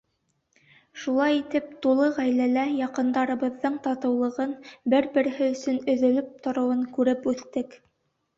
Шулай итеп, тулы ғаиләлә, яҡындарыбыҙҙың татыулығын, бер-береһе өсөн өҙөлөп тороуын күреп үҫтек.